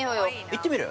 ◆行ってみる？